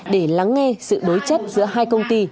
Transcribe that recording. để lắng nghe sự đối chất giữa hai công ty